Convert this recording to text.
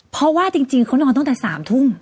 เพราะว่าจริงเขานอนตั้งแต่๓ทุ่ม